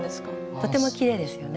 とてもきれいですよね。